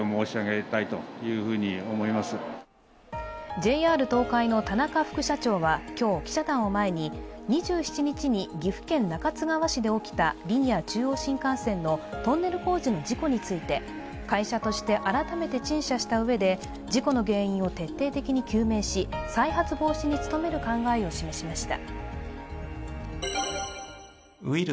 ＪＲ東海の田中副社長は今日、記者団を前に２７日に岐阜県中津川市で起きたリニア中央新幹線のトンネル工事の事故について、会社として改めて陳謝したうえで事故の原因を徹底的に究明し再発防止に努める考えを示しました。